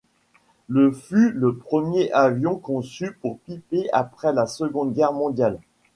Le fut le premier avion conçu par Piper après la Seconde Guerre mondiale.